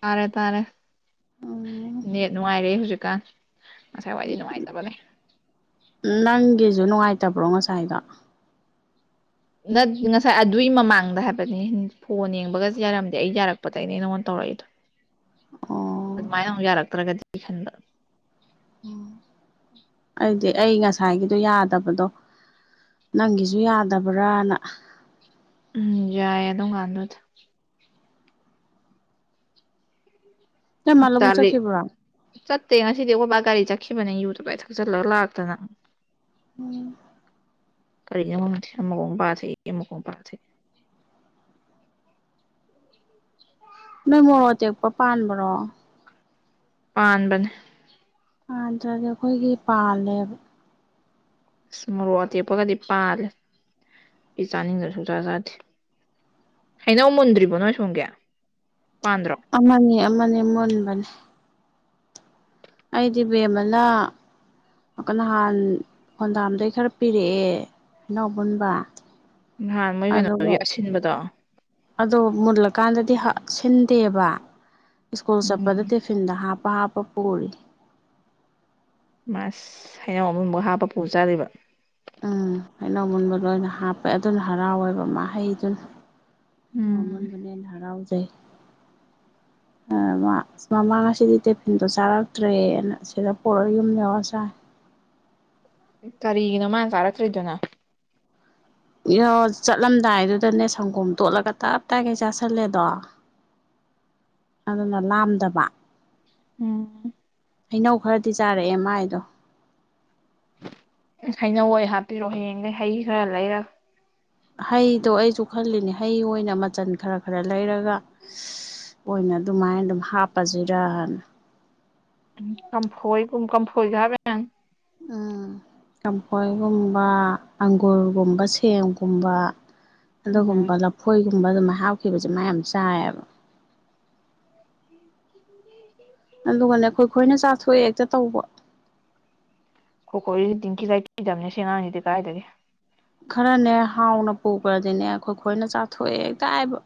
ꯇꯥꯔꯦ ꯇꯥꯔꯦ ꯎꯝ ꯅ‌ꯦꯠ ꯅꯨꯡꯉꯥꯏꯔꯦ ꯍꯧꯖꯤꯛꯀꯥꯟ ꯉꯁꯥꯏꯋꯥꯏꯗꯤ ꯅꯨꯡꯉꯥꯏꯇꯕꯅꯦ ꯅꯪꯒꯤꯁꯨ ꯅꯨꯡꯉꯥꯏꯇꯕ꯭ꯔꯣ ꯉꯁꯥꯏꯗꯣ ꯉꯁꯥꯏ ꯑꯗꯨꯒꯤ ꯃꯃꯥꯡꯗ ꯍꯥꯏꯕꯅꯤ ꯐꯣꯟ ꯌꯦꯡꯕꯒ ꯌꯥꯔꯝꯗꯦ ꯑꯩ ꯌꯥꯔꯛꯄꯗꯒꯤꯅꯦ ꯅꯪꯉꯣꯟꯗ ꯇꯧꯔꯛꯏꯗꯣ [inaudible] ꯑꯣ ꯑꯗꯨꯃꯥꯏꯅ ꯑꯃꯨꯛ ꯌꯥꯔꯛꯇ꯭ꯔꯒꯗꯤ ꯈꯟꯕ ꯑꯩꯗꯤ ꯑꯩ ꯉꯁꯥꯏꯒꯤꯗꯣ ꯌꯥꯗꯕꯗꯣ ꯅꯪꯒꯤꯁꯨ ꯌꯥꯗꯕ꯭ꯔꯥꯅ ꯎꯝ ꯌꯥꯏꯌꯦ ꯑꯗꯨ ꯑꯗꯨꯝ ꯀꯥꯟꯗꯨꯗꯤ ꯅꯣꯏ ꯃꯥ ꯂꯧꯕꯨꯛ ꯆꯂꯦ ꯆꯠꯈꯤꯕ꯭ꯔꯣ ꯆꯠꯇ ꯉꯁꯤꯗꯤ ꯑꯩꯈꯣꯌ ꯕꯒꯤ ꯒꯔꯤ ꯆꯠ ꯆꯠꯈꯤꯕꯅꯦ ꯌꯨ ꯇꯞꯇꯥꯏ ꯊꯛꯆꯜꯂꯒ ꯂꯥꯛꯇꯅ ꯎꯝ ꯀꯔꯤꯅꯣ ꯈꯪꯗꯦ ꯑꯃꯒꯥ ꯑꯃꯨꯛ ꯄꯥꯔꯥ ꯊꯛꯏ ꯑꯃꯒꯥ ꯑꯃꯨꯛ ꯄꯥꯔꯥ ꯊꯛꯏ ꯅꯣꯏ ꯃꯣꯔꯣꯛ ꯑꯇꯦꯛꯄ ꯄꯥꯟꯕ꯭ꯔꯣ ꯄꯥꯟꯕꯅꯦ ꯄꯥꯟꯗ꯭ꯔꯗꯤ ꯑꯩꯈꯣꯏꯒꯤ ꯄꯥꯜꯂꯦꯕ ꯑꯁ ꯃꯔꯣꯛ ꯑꯇꯦꯛꯞꯄꯒꯗꯤ ꯄꯥꯜꯂꯦ ꯏ ꯆꯥꯅꯤꯡꯗꯨ ꯁꯨꯡꯆꯥꯥ ꯆꯥꯗꯦ ꯍꯩꯅꯧ ꯃꯨꯟꯗ꯭ꯔꯤꯕꯣ ꯅꯣ ꯁꯨꯝꯒꯦ ꯑꯃꯅꯤꯅꯦ ꯑꯃꯅꯤꯅꯦ ꯃꯨꯟꯕꯅꯦ ꯑꯩꯗꯤ ꯕꯦꯝꯃꯅ ꯅꯍꯥꯟ ꯈꯣꯟꯗꯥꯝꯗꯩ ꯈꯔ ꯄꯤꯔꯛꯑꯦ ꯑꯩꯅꯎ ꯄꯨꯟꯕ ꯅꯍꯥꯟ ꯃꯣꯏ ꯀꯩꯅꯣꯒꯤ ꯑꯁꯤꯟꯕꯗꯣ ꯑꯣ ꯃꯨꯜꯂꯀꯥꯟꯗꯗꯤ ꯁꯤꯟꯗꯦꯕ ꯁ꯭ꯀꯨꯜ ꯆꯠꯄꯗ ꯎꯝ ꯇꯤꯐꯤꯟꯗ ꯍꯥꯞꯄ ꯍꯥꯞꯄ ꯄꯄꯔꯤ ꯃꯥꯁ ꯍꯩꯅꯎ ꯑꯃꯨꯝꯐꯛ ꯍꯥꯞꯄ ꯄꯨꯖꯔꯤꯕ ꯎꯝ ꯍꯩꯅꯧꯒꯨꯟꯕ ꯂ ꯑꯣꯏꯅ ꯍꯥꯞꯄꯦ ꯑꯗꯨꯅ ꯍꯔꯥꯎꯋꯦꯕ ꯃꯍꯩꯗꯨꯅ ꯑꯩꯅ ꯎꯝ ꯋꯥꯃꯟꯕꯨꯅꯦꯅ ꯍꯔꯥꯎꯖꯩ ꯃꯃꯥ ꯉꯁꯤꯗꯤ ꯇꯤꯐꯤꯟꯗꯣ ꯆꯥꯔꯛꯇ꯭ꯔꯦꯅ ꯁꯤꯗ ꯄꯨꯣꯔꯒ ꯌꯨꯝ ꯌꯧꯔ ꯆꯥꯏ [inaudible] ꯀꯔꯤꯒꯤꯅꯣ ꯃꯥꯅ ꯆꯥꯔꯛꯇ꯭ꯔꯤꯗꯨꯅ ꯏꯣ ꯆꯠꯂꯝꯗꯥꯏꯗꯨꯗꯅꯦ ꯁꯪꯒꯣꯝ ꯇꯣꯠꯂꯒ ꯇꯞ ꯇꯥꯏꯈꯩ ꯆꯥꯥꯁꯜꯂꯦꯗꯣ ꯑꯗꯨꯅ ꯂꯥꯝꯗꯕ ꯎꯝ ꯍꯩꯅꯧ ꯈꯔꯗꯤ ꯆꯥꯔꯛꯑꯦ ꯃꯥꯥꯏꯗꯣ ꯍꯩꯅꯧꯣꯏ ꯍꯥꯞꯄꯤꯔꯣꯑꯣ ꯍꯌꯦꯡꯗꯒꯤꯩ ꯍꯩ ꯈꯔ ꯂꯩꯔꯒ ꯍꯩꯗꯣ ꯑꯩꯁꯨ ꯈꯜꯂꯤꯅꯦ ꯍꯩ ꯑꯣꯏꯅ ꯃꯆꯜ ꯈꯔ ꯈꯔ ꯂꯩꯔꯒ ꯑꯣꯏꯅ ꯑꯗꯨꯃꯥꯏꯅ ꯑꯗꯨꯝ ꯍꯥꯞꯄꯁꯤꯔꯅ ꯀꯝꯐꯣꯏꯨꯝ ꯀꯝꯐꯣꯏꯒꯕ ꯎꯝ ꯀꯥꯡꯝꯈꯣꯏꯒꯨꯝꯕ ꯑꯪꯒꯨꯔꯒꯨꯝꯕ ꯁꯦꯡꯒꯨꯝꯕ ꯑꯗꯨꯒꯨꯝꯕ ꯎꯝ ꯂꯐꯣꯏꯒꯨꯝꯕ ꯑꯗꯨꯃꯥꯏ ꯍꯥꯞꯈꯤꯕꯁꯦ ꯃꯥ ꯌꯥꯝ ꯆꯥꯏꯌꯦꯕ [unintelligible] ꯑꯗꯨꯒꯅꯦ ꯑꯩꯈꯣꯏ ꯈꯣꯏꯅ ꯆꯥꯊꯣꯛꯑꯦ ꯍꯦꯛꯇ ꯇꯧꯕ ꯇꯦꯡꯀꯤ ꯂꯩꯈꯤꯗꯕꯅꯦ ꯁꯦꯉꯥꯡꯅꯤꯗꯤ ꯀꯥꯏꯗꯒꯤ ꯈꯔꯅꯦ ꯍꯥꯎꯅ ꯄꯨꯈ꯭ꯔꯗꯤꯅꯦ ꯑꯩꯈꯣꯏ ꯈꯣꯏꯅ ꯆꯥꯊꯣꯛꯑꯦ ꯇꯥꯏꯕ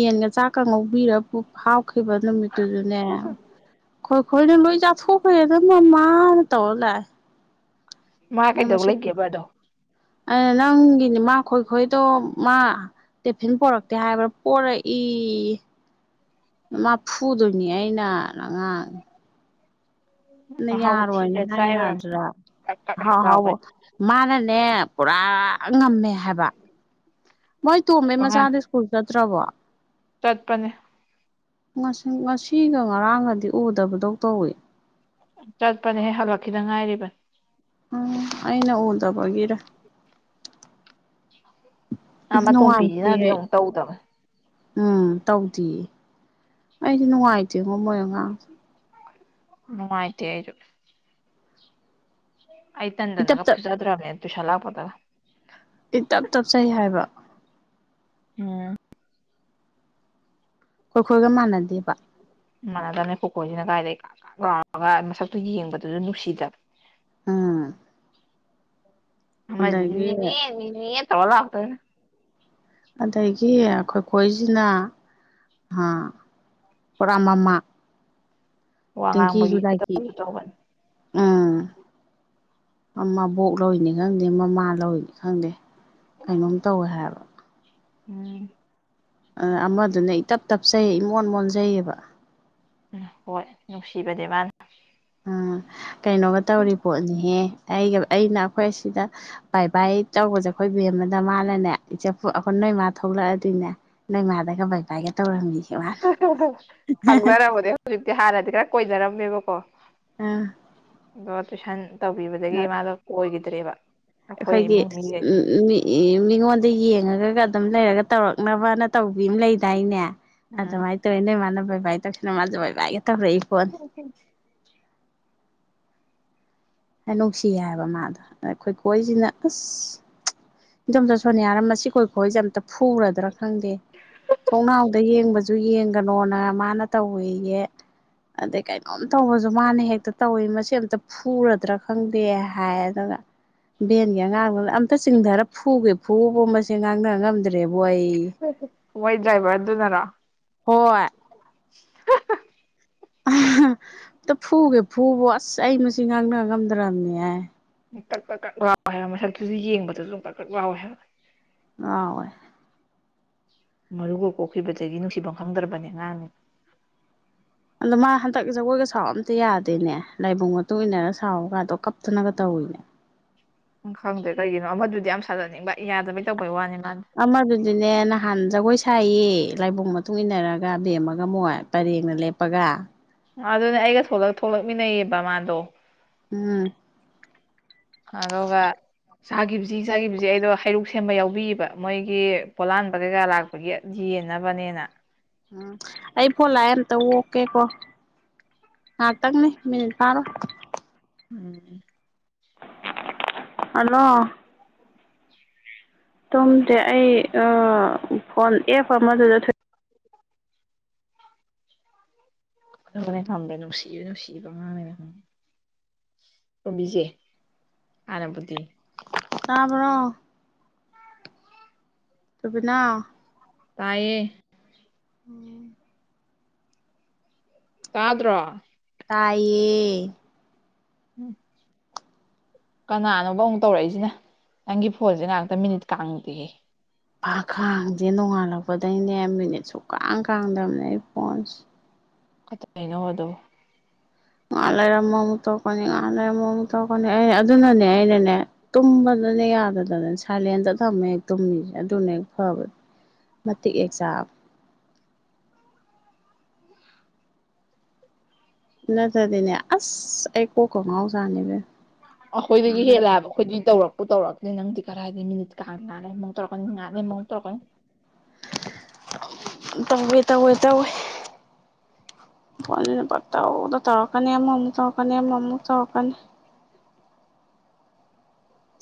ꯌꯦꯟꯒ ꯆꯥꯛꯀ ꯉꯧꯕꯤꯔ ꯄꯨ ꯍꯥꯎꯈꯤꯕ ꯅꯨꯃꯤꯠꯇꯨꯗꯨꯅꯦ ꯑꯩꯣꯏꯈꯣꯏꯅ ꯂꯣꯏ ꯆꯥꯊꯣꯛꯈ꯭ꯔꯦ ꯑꯗꯨ ꯃꯃꯥꯅ ꯇꯧꯔ ꯂꯥꯛꯑꯦ ꯃꯥ ꯀꯩꯗꯧ ꯂꯩꯒꯦꯕꯗꯣ ꯑ ꯅꯪꯒꯤꯅꯦ ꯃꯥ ꯈꯣꯏ ꯈꯣꯏꯗꯣ ꯃꯥ ꯇꯤꯐꯤꯟ ꯄꯣꯔꯛꯇꯦ ꯍꯥꯏꯕ꯭ꯔꯥ ꯄꯣꯔꯛꯏ ꯐꯨꯗꯅꯤ ꯍꯥꯏꯥꯏ ꯅꯥ ꯅꯉꯥꯡ ꯅ ꯑꯍꯥꯎꯕ ꯌꯥꯔꯣꯏꯅ ꯊꯤꯔ ꯍꯥꯏ ꯆꯥꯏ ꯑꯣꯏꯔꯝꯅꯤ ꯌꯥꯗ꯭ꯔꯥ ꯀꯛ ꯀꯛ ꯍꯦꯛ ꯍꯥꯎ ꯂꯥꯎꯒꯩ ꯍꯥꯎꯕ ꯃꯥꯅꯅꯦ ꯄꯨꯔꯥ ꯉꯝꯃꯦ ꯍꯥꯏꯕ ꯃꯣꯏ ꯇꯣꯝꯕꯩ ꯑꯉꯥꯡ ꯃꯆꯥꯗ ꯁ꯭ꯀꯨꯜ ꯆꯠꯇ꯭ꯔꯕꯣ ꯆꯠꯄꯅꯦ ꯉꯁꯤꯒ ꯉꯔꯥꯡꯒꯗꯤ ꯎꯗꯕꯗꯧ ꯇꯧꯏ ꯆꯠꯄꯅꯦ ꯍꯦꯛ ꯍꯧꯂꯛꯈꯤꯗ ꯉꯥꯏꯔꯤꯕ ꯎꯝ ꯑꯩꯅ ꯎꯗꯕꯒꯦꯔ ꯑꯥ ꯃꯇꯣꯝꯕꯤꯁꯤꯅꯗꯤ ꯑꯩ ꯑꯃꯨꯛ ꯇꯧꯗꯕ ꯎꯝ ꯇꯧꯗꯌꯦ ꯑꯩꯁꯨ ꯅꯨꯡꯉꯥꯏꯇꯦꯉꯣ ꯃꯣꯏꯔꯒꯥꯡ ꯃꯨꯥꯏꯇ ꯑꯥꯏꯨ ꯑꯥꯏ ꯇꯟ ꯏꯇꯞ ꯅꯪꯒ ꯇꯞ ꯐꯖꯗ꯭ꯔꯅꯦ ꯇꯨꯁꯂ ꯍꯥꯥꯛꯄꯗ ꯏ ꯇꯞ ꯇꯞꯆꯩ ꯍꯥꯏꯕ ꯎꯝ ꯑꯩꯈꯣꯏꯈꯣꯏꯒ ꯃꯅꯗꯤ ꯎ ꯃꯥꯟꯅꯗꯕꯅꯦ ꯀꯣꯀꯣꯏꯁꯤꯅ ꯀꯥꯏꯗꯩ ꯂꯥꯎꯔꯒ ꯃꯁꯛꯇꯨ ꯌꯦꯡꯕꯗꯨꯁꯨ ꯅꯨꯡꯁꯤꯗꯕ ꯑꯝ ꯌꯦ ꯇ ꯑꯣꯂꯥꯎꯇ ꯑꯗꯒꯤ ꯑꯩꯈꯣꯏ ꯀꯣꯏꯁꯤꯅ ꯑ ꯄꯨꯔꯥꯃꯃ ꯋꯥ ꯉꯥꯡꯕꯒꯤ ꯈꯨꯇꯁꯨ ꯇꯧꯕꯅꯤ ꯎꯝ ꯃꯃꯥꯕꯣꯛ ꯂꯅꯤ ꯈꯪꯗꯦ ꯃꯃꯥ ꯂꯧꯅꯤ ꯈꯪꯗꯦ ꯀꯩꯅꯣꯝ ꯇꯧꯋꯦ ꯍꯥꯏꯕ ꯎꯝ ꯑꯃꯗꯨꯅ ꯑꯩ ꯏ ꯇꯞ ꯇꯞꯆꯩ ꯏꯃꯣꯟ ꯃꯣꯟꯖꯩꯌꯦꯕ ꯎꯝ ꯍꯣꯏ ꯅꯨꯡꯁꯤꯕꯅꯦ ꯃꯥꯅ ꯎꯝ ꯀꯩꯅꯣꯒ ꯇꯧꯔꯤ ꯄꯣꯠꯅꯤꯍꯦ ꯑꯩꯒ ꯑꯩꯅ ꯑꯩꯈꯣꯏ ꯁꯤꯗ ꯕꯥꯏ ꯕꯥꯏ ꯇꯧꯕꯁꯦ ꯑꯩꯈꯣꯏ ꯕꯦꯝ ꯑꯃꯗ ꯃꯥꯅꯅꯦ ꯏꯆꯄꯨ ꯑꯩꯈꯣꯏ ꯅꯣꯏꯃꯥ ꯊꯣꯛꯂꯛꯑꯗꯣꯏꯅꯦ ꯅꯣꯏꯃꯥꯗꯒ ꯕꯥꯏꯕꯥꯥꯏꯒ ꯇꯧꯔꯝꯃꯤ ꯈꯪꯖꯔꯔꯕꯅꯦ ꯍꯧꯖꯤꯛꯇꯤ ꯍꯥꯟꯅꯗꯤ ꯈꯔ ꯀꯣꯏꯅꯔꯝꯃꯦꯕꯀꯣ ꯑꯥ ꯑꯗꯣ ꯇꯨꯏꯁꯟ ꯇꯧꯕꯤꯕꯗꯒꯤ ꯃꯥꯗꯣ ꯀꯣꯏꯒꯤꯗ꯭ꯔꯦꯕ꯫ ꯑꯩꯈꯣꯏꯒꯤ [unintelligible] ꯃꯤꯉꯣꯟꯗ ꯌꯦꯡꯉꯒꯒ ꯑꯗꯨꯝ ꯂꯩꯔꯒ ꯇꯧꯔꯛꯅꯕꯅ ꯇꯧꯕꯤ ꯑꯝ ꯂꯩꯗꯥꯏꯅꯦ ꯎꯝ ꯑꯗꯨꯃꯥꯏ ꯇꯧꯋꯦ ꯅꯣꯏꯃꯥꯅ [unintelligible] ꯃꯥꯁꯨ ꯕꯥꯏꯕꯥꯢꯒ ꯇꯧꯔꯏ ꯄꯣꯠꯅꯤ꯫ ꯍꯥꯏ ꯅꯨꯡꯁꯤ ꯍꯥꯏꯕ ꯃꯥꯗꯣ ꯑ ꯈꯣꯏꯀꯣꯏꯁꯤꯅ ꯑꯁ [unintelligible] ꯏꯗꯣꯝꯆꯥ ꯁꯣꯅꯤꯌꯥꯅ ꯃꯁꯤ ꯈꯣꯏꯈꯣꯏꯖꯦ ꯑꯝꯇ ꯐꯨꯨꯔꯗ꯭ꯔꯥ ꯈꯪꯗꯦ ꯊꯣꯡꯅꯥꯎꯗ ꯌꯦꯡꯕꯁꯨ ꯌꯦꯡ [unintelligible] ꯃꯥꯅ ꯇꯧꯋꯦꯌꯦ꯫ ꯑꯗꯩ ꯀꯩꯅꯣꯝ ꯇꯧꯕꯖꯨ ꯃꯥꯅ ꯍꯦꯛꯇ ꯇꯧꯋꯤ ꯃꯁꯤ ꯑꯝꯇ ꯐꯨꯔꯗ꯭ꯔꯥ ꯈꯪꯗꯦ ꯍꯥꯏ ꯑꯗꯨꯒ ꯕꯦꯟꯒꯤ ꯑꯉꯥꯡ ꯗꯨꯅ ꯑꯝꯇ ꯆꯤꯡꯗꯔ ꯐꯨꯒꯦ ꯐꯨꯕꯕꯨ ꯃꯁꯦ ꯉꯥꯡꯅ ꯉꯝꯗ꯭ꯔꯦꯕꯨ ꯑꯩ [unintelligible] ꯗ꯭ꯔꯥꯏꯕꯔ ꯗꯨꯅꯔ ꯍꯣꯏ [unintelligible] [unintelligible] ꯑꯝꯇ ꯐꯨꯒꯦ ꯐꯨꯕꯨ ꯑꯁ ꯑꯩ ꯃꯁꯤ ꯉꯥꯡꯅ ꯉꯝꯗ꯭ꯔꯕꯅꯦꯍ ꯨꯀꯛ ꯀꯛꯀꯛ ꯂꯥꯎꯋꯦ ꯍꯥꯏꯕ ꯃꯁꯛꯇꯨꯁꯨ ꯌꯦꯡꯕꯗꯁꯨ ꯀꯛ ꯀꯛ ꯂꯥꯎꯋꯦ ꯍꯥꯏꯕ [unintelligible] ꯃꯔꯨꯒ ꯀꯣꯛꯈꯤꯕꯗꯒꯤ ꯅꯨꯡꯁꯤꯐꯝ ꯈꯪꯗ꯭ꯔꯕꯅꯦ ꯑꯉꯥꯡꯅꯤ ꯑꯗꯣ ꯃꯥ ꯍꯟꯗꯛ ꯖꯒꯣꯏꯒ ꯁꯥꯎ ꯑꯝꯇ ꯌꯥꯗꯦꯅꯦ ꯂꯥꯏꯕꯨꯡ ꯃꯇꯨꯡ ꯏꯟꯅꯔꯒ ꯁꯥꯎꯒꯗꯣ ꯀꯞꯇꯅꯒ ꯇꯧꯏꯅꯦ꯫ [inaudible] ꯎꯝ ꯈꯪꯗ꯭ꯔꯦ ꯀꯩꯒꯤꯅꯣ ꯑꯃꯗꯨꯗꯤ ꯌꯥꯝ ꯁꯥꯖꯅꯤꯡꯕ ꯌꯥꯗꯕꯩ ꯇꯧꯕꯩ ꯋꯥꯅꯤ ꯃꯥꯗꯤ ꯑꯃꯗꯨꯗꯤꯅꯦ ꯅꯍꯥꯟ ꯖꯒꯣꯏ ꯁꯥꯏꯌꯦ ꯂꯥꯏꯕꯨꯡ ꯃꯇꯨꯡ ꯏꯟꯅꯔꯒ ꯕꯦꯝꯃꯒ ꯃꯣꯏ ꯄꯔꯦꯡꯅ ꯂꯦꯞꯄꯒ ꯑꯗꯨꯅꯦ ꯑꯩꯒ ꯊꯣꯛꯂꯛ ꯊꯣꯛꯂꯛꯃꯤꯟꯅꯩꯌꯦꯕ ꯃꯥꯗꯣ꯫ ꯎꯝ ꯑꯗꯣꯒ ꯆꯥꯒꯤꯕꯁꯤ ꯆꯥꯒꯤꯕꯁꯤ ꯑꯩꯗꯣ ꯍꯩꯔꯨꯛ ꯁꯦꯝꯕ ꯌꯥꯎꯕꯤꯌꯦꯕ ꯃꯣꯏꯒꯤ ꯄꯣꯂꯥꯟꯕ ꯀꯩꯀꯥ ꯂꯥꯛꯄꯒꯤ [unintelligible] ꯎꯝ ꯑꯩ ꯐꯣ ꯂꯥꯛꯑꯦ ꯑꯃꯇ ꯑꯣꯀꯦꯀꯣ꯫ ꯉꯥ ꯇꯪꯅꯤ ꯃꯤꯅꯤꯠ ꯐꯥꯔꯣ [unintelligible] ꯍꯜꯂꯣ ꯇꯨꯝꯗꯦ ꯑꯩ ꯑ ꯐꯣꯟ ꯑꯦꯞ ꯑꯃꯗꯨꯗ ꯑꯗꯨꯒꯅꯦ ꯈꯪꯕꯔꯥ ꯅꯨꯡꯁꯤ ꯅꯨꯡꯁꯤ ꯑꯉꯥꯡ [unintelligible] ꯇꯣꯝꯕꯤꯖꯦ ꯍꯥꯅꯕꯨꯗꯤ ꯇꯥꯕ꯭ꯔꯣ [unintelligible] ꯇꯥꯌꯦ ꯎꯝ ꯇꯥꯗ꯭ꯔꯣ? ꯇꯥꯌꯦ ꯎꯝ ꯀꯅꯥꯅꯣꯕ ꯑꯃꯨꯛ ꯇꯧꯔꯛꯏꯁꯤꯅ ꯅꯪꯒꯤ ꯐꯣꯟꯁꯦ ꯉꯥꯍꯥꯛꯇ ꯃꯤꯅꯤꯠ ꯀꯥꯡꯗꯦꯍꯦ꯫ ꯄ ꯈꯥꯡꯗꯦ ꯅꯣꯡꯉꯥꯜꯂꯛꯄꯗꯩꯅꯦ ꯃꯤꯅꯤꯠ ꯁꯨꯀꯥꯡ ꯀꯥꯡꯗꯕꯅꯦ ꯑꯩ ꯐꯣꯟꯁꯦ꯫ [unintelligible] ꯉꯍꯥꯛ ꯂꯩꯔ ꯑꯃꯃꯨꯛ ꯇꯣꯛꯀꯅꯤ ꯉꯍꯥꯛ ꯂꯩꯔ ꯑꯃꯃꯨꯛ ꯇꯣꯛꯀꯅꯤ ꯑꯩ ꯑꯗꯨꯅꯅꯦ ꯑꯩꯅꯅꯦ ꯇꯨꯝꯕ [unintelligible] ꯌꯥꯗꯗꯅ ꯁꯥꯏꯂꯦꯟꯗ ꯊꯝꯃ ꯍꯦꯛ ꯇꯨꯝꯃꯤꯁꯦ ꯑꯗꯨꯅ ꯍꯦꯛ ꯐꯕꯅꯦ꯫ ꯃꯇꯤꯛ [unintelligible] ꯅꯠꯇꯗꯤꯅꯦ ꯑꯁ ꯑꯩ ꯀꯣ ꯀ ꯉꯥꯎꯖꯅꯦꯕꯦꯝ꯫ ꯑꯈꯣꯏꯗꯒꯤ ꯍꯦꯜꯂꯦꯕ ꯈꯣꯏꯗꯤ ꯇꯧꯔꯛ ꯇꯧꯔꯛꯛꯇ ꯅꯪꯗꯤ ꯀꯔꯥꯏꯗꯒꯤ ꯃꯤꯅꯤꯠ ꯀꯥꯡꯗꯦ ꯉꯥꯛ ꯂꯩꯔꯥ ꯑꯃꯨꯛ ꯇꯧꯔꯛꯀꯅꯤ ꯉꯥꯛ ꯂꯩꯕꯔꯥ ꯑꯃ ꯃꯨꯛ ꯇꯧꯔꯛꯀꯅꯤ ꯇꯧꯋꯦ ꯇꯧꯋꯦ ꯇꯧꯋꯦ ꯐꯣꯟꯁꯤꯅ ꯄꯪꯇꯧꯗ ꯇꯧꯔꯛꯀꯅꯤ ꯑꯃꯃꯨꯛ ꯑꯃꯃꯨꯛ ꯇꯧꯔꯛꯀꯅꯤ ꯑꯃꯃꯨꯛ ꯑꯃꯃꯨꯛ ꯇꯧꯔꯛꯀꯅꯤ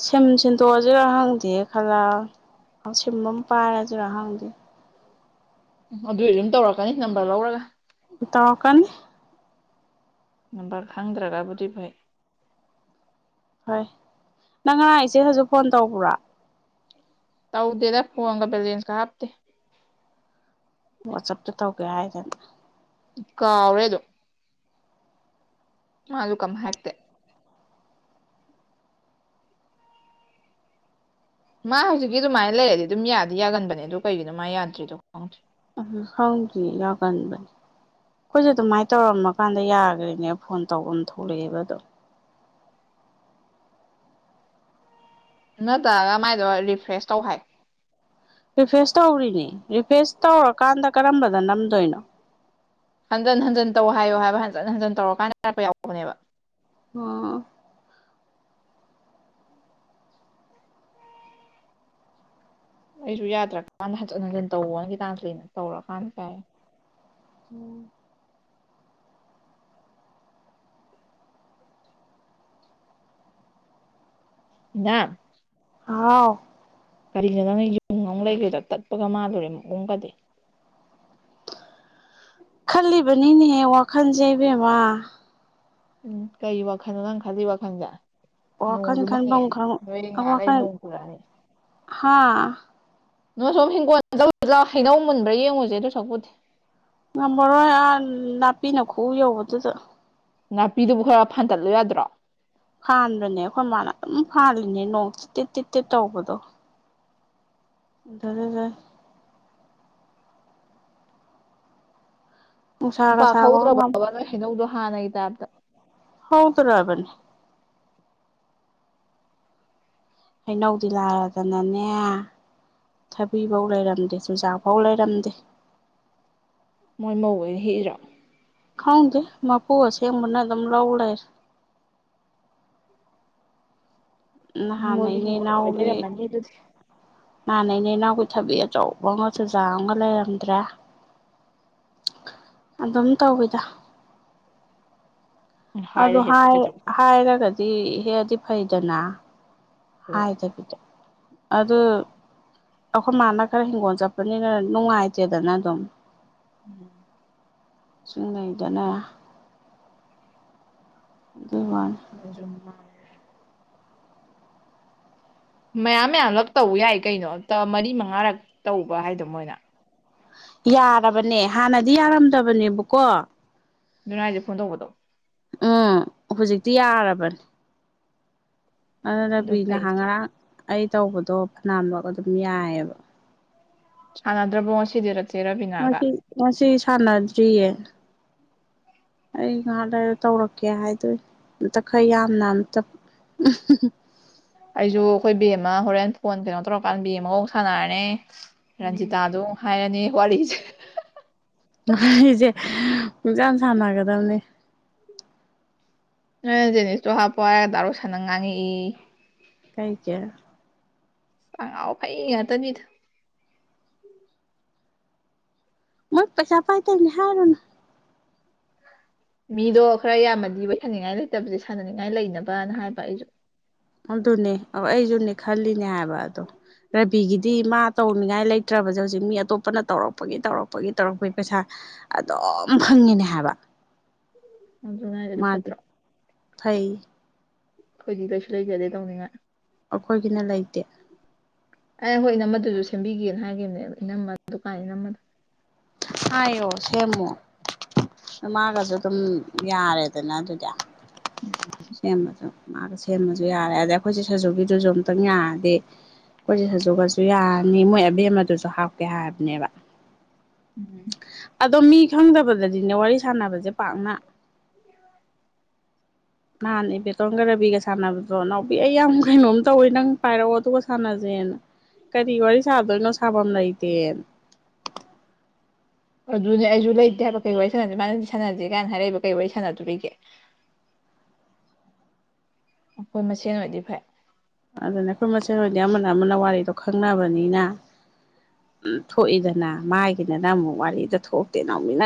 ꯁꯤꯝ ꯁꯤꯟꯗꯣꯛꯑꯁꯤꯔ ꯍꯪꯗꯦ ꯈꯜꯂꯛꯑꯕꯅꯤ ꯁꯤꯝ ꯑꯃ ꯄꯥꯏꯔꯁꯤꯔꯥꯍꯪꯗꯤ ꯑꯗꯣꯢꯁꯨ ꯑꯗꯨꯝ ꯇꯧꯔꯛꯀꯅꯤ ꯅꯝꯕꯔ ꯂꯧꯔꯒ ꯇꯧꯔꯛꯀꯅꯤ ꯅꯝꯕꯔ ꯈꯪꯗ꯭ꯔꯒꯕꯨꯗꯤ ꯐꯩ ꯍꯣꯏ ꯅꯪ ꯉꯔꯥꯡ ꯏꯆꯦ ꯍꯥꯖꯨꯔ ꯐꯣꯟ ꯇꯧꯕ꯭ꯔꯥ ꯇꯧꯗꯦꯗ ꯐꯟꯒ ꯚꯂꯦꯟꯁ ꯀ ꯍꯥꯞꯇꯦ ꯋꯥꯆꯞꯇ ꯇꯧꯒꯦ ꯍꯥꯏꯗꯅ ꯀꯥꯎꯔꯦ ꯑꯗꯨꯝ ꯃꯥꯁꯨ ꯀꯃ ꯍꯥꯏꯛꯇꯦ ꯃꯥ ꯍꯧꯖꯤꯛꯀꯤ ꯑꯗꯨꯃꯥꯏꯅ ꯂꯩꯔꯗꯤ ꯑꯗꯨꯝ ꯌꯥꯗꯤ ꯌꯥꯒꯟꯕꯅꯦ ꯑꯗꯨ ꯀꯩꯒꯤꯅꯣ ꯃꯥ ꯌꯥꯗ꯭ꯔꯤꯗꯣ ꯈꯪꯗ꯭ꯔꯦ ꯎꯝ ꯈꯪꯗꯦ ꯌꯥꯒꯟꯕꯅꯤ ꯑꯩꯈꯣꯏꯁꯨ ꯑꯗꯨꯃꯥꯏꯅ ꯇꯧꯔꯝꯃꯀꯥꯟꯗ ꯌꯥꯈ꯭ꯔꯔꯤꯅꯦ ꯐꯣꯟ ꯇꯧꯐꯝ ꯊꯣꯛꯂꯛꯏꯦꯕ ꯑꯗꯨꯝ ꯅꯠꯇꯔꯒ ꯃꯥꯏꯗꯣ ꯔꯤꯐ꯭ꯔꯦꯁ ꯇꯧ ꯍꯥꯏꯌꯨ ꯔꯤꯐꯔꯦꯁ ꯇꯧꯔꯤꯅꯤ ꯔꯤꯐꯔꯦꯁ ꯇꯧꯔꯛꯀꯥꯟꯗ ꯀꯔꯝꯕꯗ ꯅꯝꯗꯣꯏꯅꯣ ꯍꯟꯖꯤꯟ ꯍꯟꯖꯤꯟ ꯇꯧ ꯍꯥꯏꯌꯣ ꯍꯥꯏꯕ ꯍꯟꯖꯤꯟ ꯍꯟꯖꯤꯟ ꯇꯧꯔꯀꯥꯟꯗ ꯌꯥꯔꯛꯄ ꯌꯥꯎꯕꯅꯦꯕ ꯑꯣ ꯑꯩꯁꯨ ꯌꯥꯗ꯭ꯔꯀꯥꯟꯗ ꯍꯟꯖꯤꯟ ꯍꯟꯖꯤꯟ ꯇꯧꯑꯣꯅ ꯇꯧꯔꯀꯥꯟꯗ ꯌꯥꯏ ꯎꯝ ꯗꯥ ꯍꯥꯎ ꯀꯔꯤꯅꯣ ꯅꯪꯅ ꯌꯨꯝ ꯑꯃ [unintelligible] ꯂꯩꯒꯦꯗ ꯇꯠꯄꯒ ꯃꯥꯜꯂꯨꯔꯦ ꯃꯨꯝꯒꯗꯤ ꯈꯜꯂꯤꯕꯅꯤꯅꯦꯍꯦ ꯋꯥꯈꯜꯁꯦ ꯏꯕꯦꯝꯃ ꯎꯝ ꯀꯩ ꯋꯥꯈꯜꯅꯣ ꯅꯪ ꯈꯜꯂꯤ ꯋꯥꯈꯜꯁꯦ ꯋꯥꯈꯜ ꯅꯣꯡꯁꯨ ꯃꯪꯉꯦ ꯈꯟꯐꯝ ꯈꯪ ꯅꯣꯏꯗ ꯉꯥꯛ ꯂꯩꯔꯏ ꯅꯣꯡ ꯄꯨꯔꯛꯑꯅꯤ ꯍꯥꯥ ꯅ ꯁꯣꯝ ꯍꯤꯡꯒꯣꯜ ꯇꯧ꯭ꯔ ꯍꯩꯅꯧ ꯃꯨꯟꯕ꯭ꯔꯥ ꯌꯦꯡꯉꯨꯁꯦ ꯑꯗꯨ ꯁꯛꯄꯨꯗꯤ ꯉꯝꯃꯔꯣꯏ ꯑ ꯅꯥꯄꯤꯅ ꯈꯨꯎ ꯌꯧꯕꯗꯨꯗ ꯅꯥꯄꯤꯗꯨꯕꯨ ꯈꯔ ꯐꯟꯗꯠꯂꯨ ꯌꯥꯗ꯭ꯔꯣ ꯐꯥꯟꯕꯅꯦ ꯑꯩꯈꯣꯏ ꯃꯥꯅ ꯑꯗꯨꯝ ꯐꯥꯜꯂꯤꯅꯦ ꯅꯣꯡ ꯆꯤꯠꯇꯦꯠ ꯇꯤ ꯇꯤꯠ ꯇꯧꯕꯗꯣ ꯔꯒ ꯅꯨꯡꯁꯥꯒ ꯁꯥꯕꯒ ꯄꯥꯛꯍꯧꯗ꯭ꯔꯕꯕ ꯅꯣꯏ ꯍꯩꯅꯧꯗꯣ ꯍꯥꯟꯅꯒꯤ ꯇꯥꯏꯞꯇ ꯍ ꯇ ꯔꯕꯅꯤ ꯍꯩꯅꯧꯗꯤ ꯂꯥꯔꯗꯅꯅꯦ ꯊꯕꯤ ꯐꯧ ꯂꯩꯔꯝꯗꯦ ꯆꯨꯖꯥꯛ ꯐꯧ ꯂꯩꯔꯝꯗꯦ ꯃꯣꯏ ꯃꯧ ꯑꯣꯏꯅ ꯍꯦꯛꯏꯔꯥ ꯈꯥꯎꯗꯦ ꯃꯥꯄꯨꯁꯦ ꯃꯅ ꯑꯗꯨꯝ ꯂꯧꯧꯕ ꯂꯩꯔ ꯍ ꯅ ꯃꯣꯏꯒꯤ ꯍꯤꯡꯒꯣꯜ ꯅꯩꯅꯅ ꯑꯣꯏ ꯍꯒꯦ ꯂꯩꯔꯝꯃꯅꯤ ꯑꯗꯨꯗꯤ ꯅꯥꯟꯅꯦꯩꯅꯦ ꯏꯅꯥꯎꯈꯣꯏ ꯊꯕꯤ ꯑꯆꯧꯕ ꯑꯃꯒ ꯆꯨꯖꯥꯛ ꯑꯃꯒ ꯂꯩꯔꯝꯗ꯭ꯔꯦ ꯑꯗꯨꯝ ꯇꯧꯋꯤꯗ ꯑ ꯍꯥꯏꯔ ꯍꯦꯛꯄ ꯀꯩꯗꯧꯕ ꯍꯥꯏꯔꯒꯗꯤ ꯍꯦꯛꯗꯤ ꯐꯩꯗꯅ ꯍꯣꯏ ꯍꯥꯏ ꯇ ꯄꯗ ꯑꯗꯨꯗ ꯑꯩꯈꯣꯏ ꯃꯥꯅ ꯈꯔ ꯍꯤꯡꯒꯣꯜ ꯆꯠꯄꯅꯤꯅ ꯅꯨꯡꯉꯥꯏꯇꯦꯗꯅ ꯑꯗꯨꯝ ꯎꯝ ꯆꯨꯝꯅꯗꯅ ꯃꯖ ꯃꯌꯥꯝ ꯃꯌꯥꯝꯂ ꯇꯧꯕ ꯌꯥꯏ ꯀꯩꯅꯣ ꯃꯔꯤ ꯃꯉꯥꯔꯛ ꯇꯧꯕ ꯍꯥꯏꯗꯣ ꯃꯣꯏꯅ ꯌꯥꯔꯕꯅꯦ ꯍꯥꯟꯅꯗꯤ ꯌꯥꯔꯝꯗꯕꯅꯦꯕꯀꯣ ꯑꯗꯨꯅꯥꯏꯁꯦ ꯐꯣꯟ ꯇꯧꯕꯗꯣ ꯎꯝ ꯍꯧꯖꯤꯛꯇꯤ ꯌꯥꯔꯕꯅꯤ ꯑꯗꯨ ꯔꯕꯤ ꯐꯩ ꯅꯍꯥꯟ ꯁꯤ ꯉꯔꯥꯡ ꯑꯩ ꯇꯧꯕꯗꯣ ꯐꯅꯌꯥꯝꯂ ꯑꯗꯨꯝ ꯌꯥꯏꯑꯕ ꯑꯥꯟꯗ꯭ꯔ ꯣꯁꯗꯔꯛꯦ ꯃꯁꯤ ꯉ ꯁꯥꯟꯅꯗ꯭ꯔꯤꯌꯦ ꯑꯩ ꯉꯥꯏꯍꯥꯛ ꯂꯩꯔ ꯇꯧꯔꯛꯀꯦ ꯍꯥꯏꯗꯣꯏ ꯑꯝꯇ ꯈꯔ ꯌꯥꯝꯅ ꯑꯝꯇ ꯎꯝ ꯑꯩꯖꯁꯨ ꯑꯩꯈꯣꯏ ꯕꯦ ꯑꯃ ꯍꯣꯔꯦꯟ ꯐꯣꯟ ꯀꯩꯅꯣ ꯇꯧꯔꯀꯥꯟꯗ ꯕꯦꯝ ꯑꯃꯒꯧ ꯁꯥꯟꯅꯔꯅꯦ ꯔꯟꯖꯤꯇꯥꯗ ꯍꯥꯏꯔꯅꯤ ꯋꯥꯔꯤꯁꯦ ꯑꯩꯁꯦ ꯄꯛꯁꯥꯟ ꯁꯥꯟꯅꯒꯗꯕꯅꯦ ꯅ ꯖꯦꯅꯤꯁꯇꯣ ꯍꯥꯞꯄꯣ ꯍꯥꯏꯔꯒ ꯗꯥꯔꯨ ꯁꯥꯟꯅ ꯉꯥꯡꯉꯛꯏ ꯀꯩ ꯀꯦ ꯐꯥꯏ ꯉ ꯇꯅꯤꯗ ꯃꯣꯏ ꯄꯩꯁꯥ ꯄꯥꯏ ꯇꯅꯍꯦꯅ ꯃꯤꯗꯣ ꯈꯔ ꯌꯥꯝꯃꯗꯤ ꯋꯥꯔꯤꯣꯏꯁꯥꯅꯤꯡꯉꯥꯏ ꯂꯩꯇꯕꯁꯦ ꯁꯥꯟꯅꯅꯤꯡꯉꯥꯏ ꯂꯩꯅꯕꯅ ꯍꯥꯏꯕ ꯑꯩꯁꯨ ꯑꯗꯨꯅꯦ ꯑꯩꯁꯨꯅꯦ ꯈꯜꯂꯤꯅꯦ ꯍꯥꯏꯕ ꯑꯗꯣ ꯔꯕꯤꯒꯤꯗꯤ ꯃꯥ ꯇꯧꯅꯤꯡꯉꯥꯏ ꯂꯩꯇ꯭ꯔꯕꯁꯦ ꯍꯧꯖꯤꯛ ꯃꯤ ꯑꯇꯣꯞꯄꯅ ꯇꯧꯔꯛꯄꯒꯤ ꯇꯧꯔꯛꯄꯒꯤ ꯇꯧꯔꯛꯄꯒꯤ ꯄꯩꯁꯥ ꯑꯗꯨꯝ ꯐꯪꯉꯤꯅꯦ ꯍꯥꯏꯕ ꯑꯗꯨꯉꯥꯏꯔꯗꯤ ꯃꯥꯗꯤ ꯐꯠꯇ꯭ꯔꯣ ꯐꯩ ꯑꯩꯈꯣꯏꯗꯤ ꯀꯩꯁꯨ ꯂꯩꯖꯗꯦ ꯇꯧꯅꯤꯡꯉꯥꯏ ꯑꯩꯈꯣꯏꯒꯤꯅ ꯂꯩꯇꯦ ꯑꯦ ꯍꯣꯏ ꯏꯅꯝꯃꯗꯨꯁꯨ ꯁꯦꯝꯕꯤꯒꯦꯅ ꯍꯥꯏꯈꯤꯕꯅꯦ ꯏꯅꯝꯃ ꯗꯨꯀꯥꯟ ꯏꯅꯝꯝꯕꯗ ꯑꯣ ꯁꯦꯝꯦꯃꯣ ꯃꯥꯒꯁꯨ ꯑꯗꯨꯝ ꯌꯥꯔꯦꯗꯅ ꯑꯗꯨꯗꯤ ꯁꯦꯝꯕꯁꯨ ꯃꯥꯒ ꯁꯦꯝꯃꯁꯨ ꯌꯥꯔꯦ ꯑꯗ ꯑꯩꯈꯣꯏꯁꯦ ꯁꯖꯨꯒꯤꯗꯨꯁꯨ ꯑꯃꯨꯛꯇꯪ ꯌꯥꯔꯗꯤ ꯑꯩꯈꯣꯏꯁꯦ ꯁꯖꯨ ꯀꯁꯨ ꯌꯥꯔꯅꯤ ꯃꯣꯏ ꯑꯕꯦꯝ ꯑꯃꯗꯨꯁꯨ ꯍꯥꯞꯀꯦ ꯍꯥꯏꯕꯅꯦꯕ ꯎꯝ ꯑꯗꯣ ꯃꯤ ꯈꯪꯗꯕꯗꯗꯤꯅꯦ ꯋꯥꯔꯤ ꯁꯥꯟꯅꯕꯁꯦ ꯄꯥꯛꯅ ꯅꯍꯥꯟ ꯏꯕꯦꯇꯣꯝꯒ ꯔꯥꯕꯤꯒ ꯁꯥꯟꯅꯕꯗꯣ ꯏꯅꯥꯎꯕꯤ ꯑꯩ ꯌꯥꯝ ꯀꯩꯅꯣꯝ ꯇꯧꯋꯤ ꯅꯪ ꯄꯥꯏꯔꯛꯑꯣ ꯑꯗꯨꯒ ꯁꯥꯟꯅꯁꯦꯅ ꯀꯔꯤ ꯋꯥꯔꯤ ꯁꯥꯗꯣꯏꯅꯣ ꯁꯥꯐꯝ ꯂꯩꯇꯦ [unintelligible] ꯑꯗꯨꯅꯦ ꯑꯩꯁꯨ ꯂꯩꯇꯦ ꯍꯥꯏꯕ ꯀꯩ ꯋꯥꯔꯤ ꯁꯥꯟꯅꯁꯦ ꯃꯥꯅꯗꯤ ꯁꯥꯟꯅꯗꯦ ꯀꯥꯏꯅ ꯍꯥꯏꯔꯛꯏꯕ ꯀꯩ ꯋꯥꯔꯤ ꯁꯥꯟꯅꯗꯣꯔꯤꯒꯦ [unintelligible] ꯑꯩꯈꯣꯏ ꯃꯁꯦꯟ ꯑꯣꯏꯗꯤ ꯐꯩ ꯑꯗꯨꯅ ꯑꯩꯈꯣꯏ ꯃꯁꯦꯜ ꯍꯣꯏꯗꯤ ꯑꯃꯅ ꯑꯃꯅ ꯋꯥꯔꯤꯗꯣ ꯈꯪꯅꯕꯅꯤꯅ ꯎꯝ ꯊꯣꯛꯏꯗꯅ ꯃꯥꯒꯤꯗꯅ ꯑꯃꯨꯛ ꯋꯥꯔꯤꯗ ꯊꯣꯛꯇꯦ ꯅꯎꯃꯤꯅ